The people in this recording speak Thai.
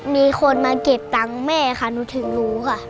มีคนมาเก็บตังค์แม่ค่ะหนูถึงรู้ค่ะ